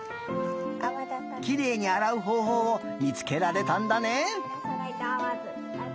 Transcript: きれいにあらうほうほうをみつけられたんだね。